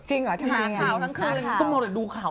ทางข่าวทั้งคืน